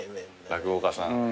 落語家さん。